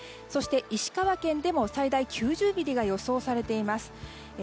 石川県でも最大９０ミリが予想されています。